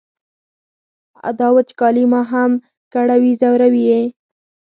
دا وچکالي ما هم کړوي ځوروي یې.